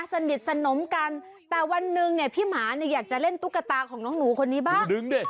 สนิทสนมกันแต่วันหนึ่งเนี่ยพี่หมาเนี่ยอยากจะเล่นตุ๊กตาของน้องหนูคนนี้บ้าง